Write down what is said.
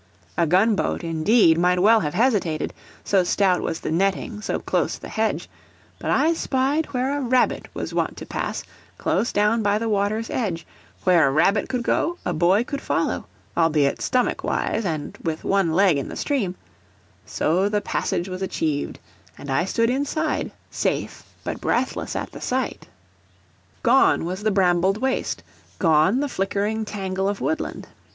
A gun boat, indeed, might well have hesitated, so stout was the netting, so close the hedge: but I spied where a rabbit was wont to pass, close down by the water's edge; where a rabbit could go a boy could follow, albeit stomach wise and with one leg in the stream; so the passage was achieved, and I stood inside, safe but breathless at the sight. Gone was the brambled waste, gone the flickering tangle of woodland.